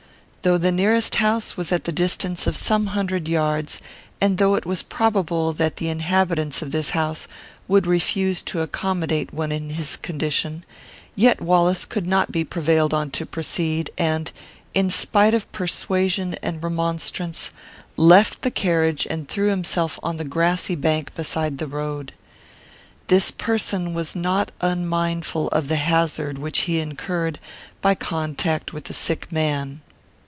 Though the nearest house was at the distance of some hundred yards, and though it was probable that the inhabitants of this house would refuse to accommodate one in his condition, yet Wallace could not be prevailed on to proceed; and, in spite of persuasion and remonstrance, left the carriage and threw himself on the grassy bank beside the road. This person was not unmindful of the hazard which he incurred by contact with a sick man.